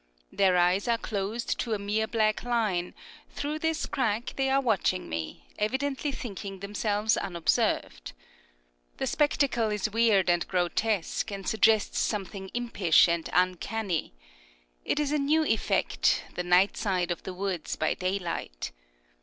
Their eyes are closed to a mere black line; through this crack they are watching me, evidently thinking themselves unobserved. The spectacle is weird and grotesque, and suggests something impish and uncanny. It is a new effect, the night side of the woods by daylight.